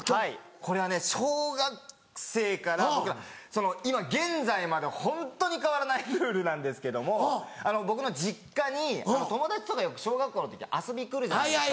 これはね小学生から僕が今現在までホントに変わらないルールなんですけども僕の実家に友達とかよく小学校の時遊び来るじゃないですか。